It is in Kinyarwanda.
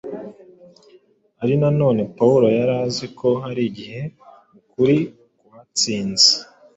Ariko na none Pawulo yari azi ko hari igihe ukuri kwatsinze.